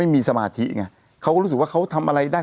มีสมาธิภูมิแบบนั้นยาก